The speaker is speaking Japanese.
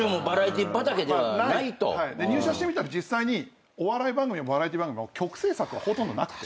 入社してみたら実際にお笑い番組もバラエティー番組も局制作はほとんどなくて。